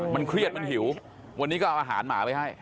มันเครียดมันหิววันนี้ก็เอาอาหารหมาไปให้